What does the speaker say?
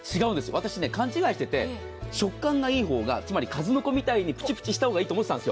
私、勘違いしていて食感がいい方が数の子みたいにプチプチしたほうがいいと思っていました。